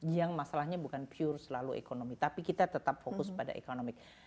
yang masalahnya bukan pure selalu ekonomi tapi kita tetap fokus pada ekonomi